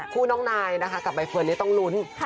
พูดกันเยอะแยะมากมาย